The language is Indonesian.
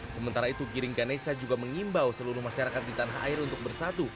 sementara itu giring ganesa juga mengimbau seluruh masyarakat di tanah air untuk bersatu